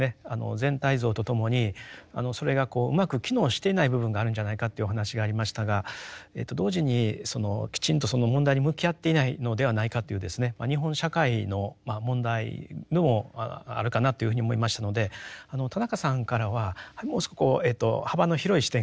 全体像とともにそれがうまく機能していない部分があるんじゃないかというお話がありましたが同時にきちんとその問題に向き合っていないのではないかというですね日本社会のまあ問題でもあるかなというふうに思いましたので田中さんからはもう少し幅の広い視点からですね